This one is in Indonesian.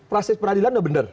proses peradilan sudah benar